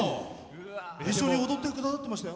一緒に踊ってくださってましたよ